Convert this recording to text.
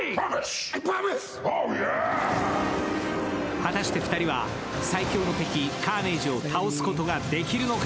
果たして２人は最強の敵、カーネイジを倒すことができるのか。